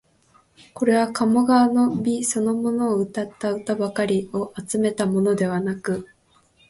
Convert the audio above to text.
これは鴨川の美そのものをうたった歌ばかりを集めたものではなく、